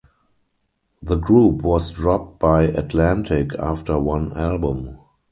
The group was dropped by Atlantic after one album.